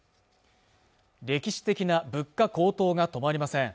歴史的な物価高騰が止まりません